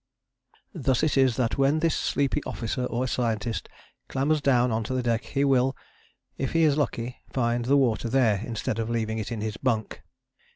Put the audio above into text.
Thus it is that when this sleepy officer or scientist clambers down on to the deck he will, if he is lucky, find the water there, instead of leaving it in his bunk.